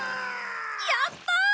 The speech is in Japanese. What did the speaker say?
やった！